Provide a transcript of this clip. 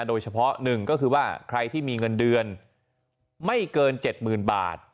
โดยเฉพาะหนึ่งก็คือว่าใครที่มีเงินเดือนไม่เกิน๗๐๐๐บาท